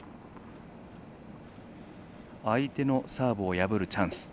相手のサーブを破るチャンス。